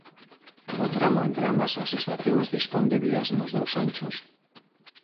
O tramo entre ambas as estacións dispón de vías nos dous anchos.